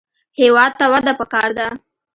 هېواد ته وده پکار ده